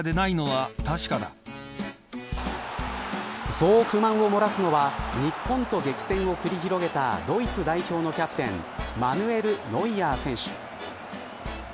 そう不満をもらすのは日本と激戦を繰り広げたドイツ代表のキャプテンマヌエル・ノイアー選手。